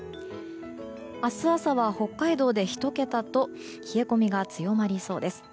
明日朝は北海道で１桁と冷え込みが強まりそうです。